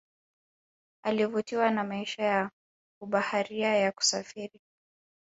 Alivutiwa na maisha ya ubaharia ya kusafiri